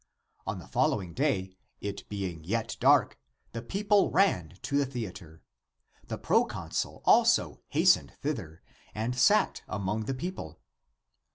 " On the following day, it being yet dark, the people ran to the theatre. The 146 THE APOCRYPHAL ACTS proconsul also hastened thither, and sat among the people.